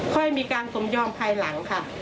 ค่อยมีการสมยอมภายหลังค่ะ